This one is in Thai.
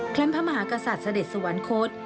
พระมหากษัตริย์เสด็จสวรรคต